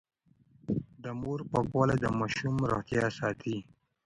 د مور پاکوالی د ماشوم روغتيا ساتي.